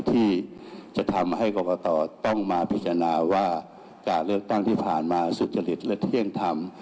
ที่จะทำให้กรกตต้องมาพิจารณาว่าการเลือกตั้งที่ผ่านมาสุจริตและเที่ยงธรรม